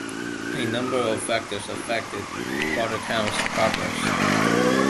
A number of factors affected Watertown's progress.